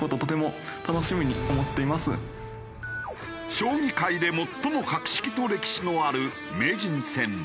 将棋界で最も格式と歴史のある名人戦。